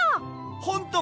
ほんとか！？